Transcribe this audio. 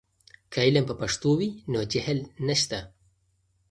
که علم په پښتو وي، نو جهل نشته.